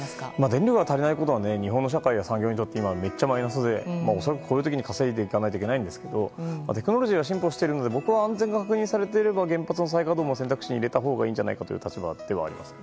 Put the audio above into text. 電力が足りないことは日本の社会や産業にとってめっちゃマイナスで恐らくこういう時に稼いでいかないといけないんですけどテクノロジーは進歩しているので僕は安全確保されていれば原発再開稼働も選択肢に入れたほうがいいんじゃないかという立場ではあります。